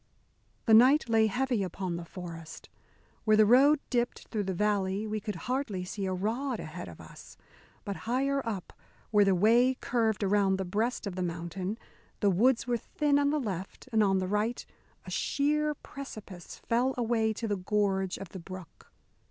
The night lay heavy upon the forest. Where the road dipped through the valley we could hardly see a rod ahead of us. But higher up where the way curved around the breast of the mountain, the woods were thin on the left, and on the right a sheer precipice fell away to the gorge of the brook.